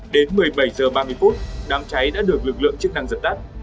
đến một mươi bảy h ba mươi đám cháy đã được lực lượng chức năng giật tắt